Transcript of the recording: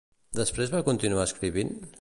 Després va continuar escrivint?